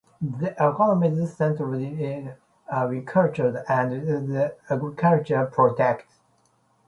The economy is centered in avicultural and other agricultural products.